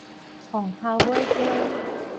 鳳頭尾雞